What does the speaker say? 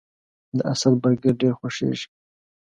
د اسد برګر ډیر خوښیږي